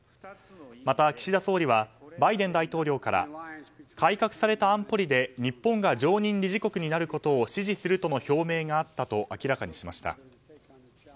また、岸田総理はバイデン大統領から改革された安保理で日本が常任理事国になることを支持するとの表明があったと明らかにしました。